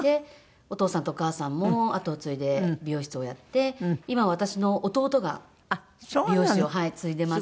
お父さんとお母さんも後を継いで美容室をやって今は私の弟が美容師を継いでます。